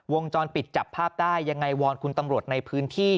วงจรปิดจับภาพได้ยังไงวอนคุณตำรวจในพื้นที่